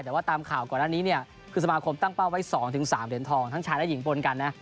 แต่ว่าตามข่าวก่อนหน้านี้เนี่ยคือสมาคมตั้งเป้าไว้๒๓เหรียญทองทั้งชายและหญิงปนกันนะ